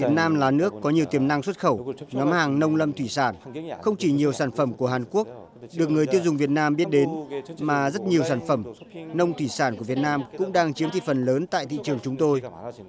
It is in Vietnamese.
việt nam là nước có nhiều tiềm năng xuất khẩu nhóm hàng nông lâm thủy sản không chỉ nhiều sản phẩm của hàn quốc được người tiêu dùng việt nam biết đến mà rất nhiều sản phẩm nông thủy sản của việt nam cũng đang chiếm thị phần lớn tại thị trường chúng tôi